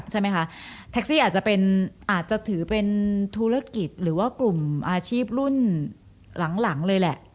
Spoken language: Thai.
ใช่ไหมคะแท็กซี่อาจจะเป็นอาจจะถือเป็นธุรกิจหรือว่ากลุ่มอาชีพรุ่นหลังเลยแหละ